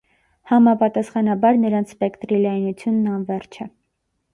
Համապատասխանաբար՝ նրանց սպեկտրի լայնությունն անվերջ է։